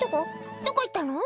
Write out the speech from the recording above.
どこ行ったの？」